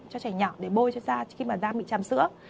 cho trẻ nhỏ để bôi cho da khi mà da bị chàm sữa